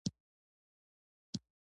ژمی دی، سخته به وي.